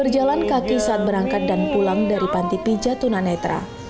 jalan kaki saat berangkat dan pulang dari pantipijat tunanetra